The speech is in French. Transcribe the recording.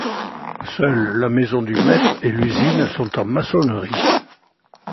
Seule la maison de maître et l'usine sont en maçonnerie.